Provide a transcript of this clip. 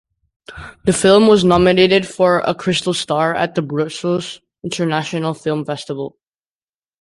The film was nominated for a Crystal Star at the Brussels International Film Festival.